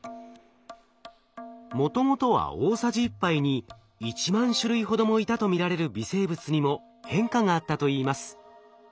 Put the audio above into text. もともとは大さじ１杯に１万種類ほどもいたと見られる微生物にも変化があったといいます。